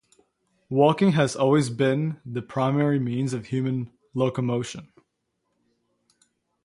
Walking has always been the primary means of human locomotion.